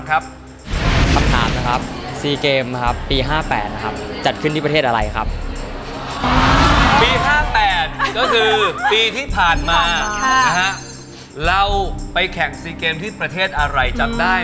ความคิดคือขัดแย่กันมากนะ